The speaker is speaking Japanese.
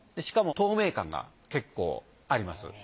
しかも透明感が結構あります。